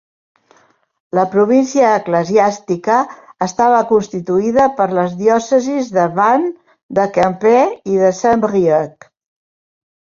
La província eclesiàstica estava constituïda per les diòcesis de Vannes, de Quimper i de Saint-Brieuc.